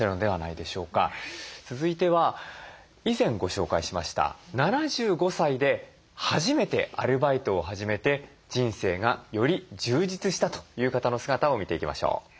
続いては以前ご紹介しました７５歳で初めてアルバイトを始めて人生がより充実したという方の姿を見ていきましょう。